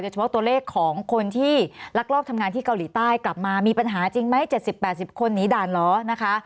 เฉพาะตัวเลขของคนที่ลักลอบทำงานที่เกาหลีใต้กลับมามีปัญหาจริงไหม๗๐๘๐คนหนีด่านเหรอนะคะ